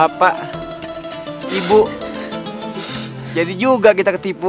bapak ibu jadi juga kita ketipu